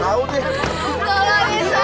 mama kamu kan lagi kerja